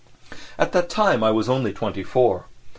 I At that time I was only twenty four.